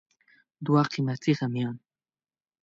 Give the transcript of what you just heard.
دوه قیمتي غمیان